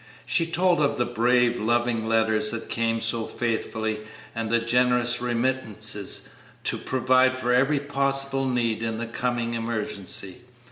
She told of the brave, loving letters that came so faithfully and the generous remittances to provide for every possible need in the coming emergency.